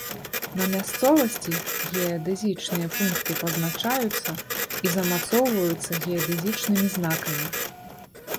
На мясцовасці геадэзічныя пункты пазначаюцца і замацоўваюцца геадэзічнымі знакамі.